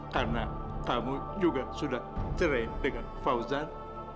karena kamu juga sudah cerai dengan fauzan